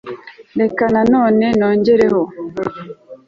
reka na none nongereho